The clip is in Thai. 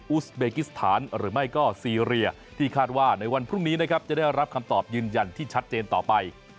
อุสเบกิสถานหรือไม่ก็ซีเรียที่คาดว่าในวันพรุ่งนี้นะครับจะได้รับคำตอบยืนยันที่ชัดเจนต่อไป